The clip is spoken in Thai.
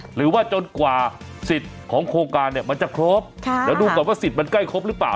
หรือว่าจนกว่าสิทธิ์ของโครงการเนี่ยมันจะครบเดี๋ยวดูก่อนว่าสิทธิ์มันใกล้ครบหรือเปล่า